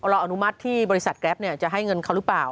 เราอนุมัติที่บริษัทแกรปจะให้เงินเขาหรือเปล่า